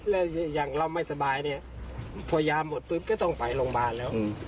แล้วอย่างเราไม่สบายเนี่ยพอยาหมดปุ๊บก็ต้องไปโรงพยาบาลแล้ว